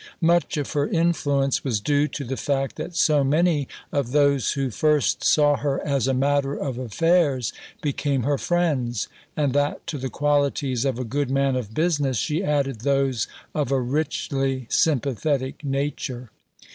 Much of her influence was due to the fact that so many of those who first saw her as a matter of affairs became her friends, and that to the qualities of a good man of business she added those of a richly sympathetic nature.